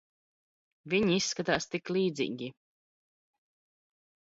Viņi izskatās tik līdzīgi.